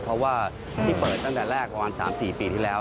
เพราะว่าที่เปิดตั้งแต่แรกประมาณ๓๔ปีที่แล้ว